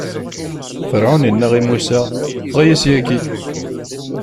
Ferɛun inna i Musa: Ffeɣ-iyi syagi!